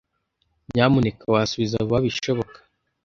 Nyamuneka wasubiza vuba bishoboka?